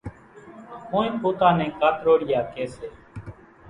ڪونئين پوتا نين ڪاتروڙِيا ڪيَ سي۔